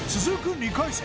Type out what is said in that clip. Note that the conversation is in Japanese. ２回戦